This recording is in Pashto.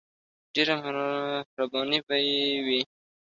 ډیره مهربانی به یی وی.